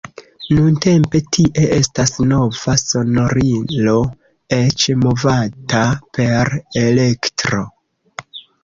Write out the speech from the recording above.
Nuntempe tie estas nova sonorilo, eĉ movata per elektro.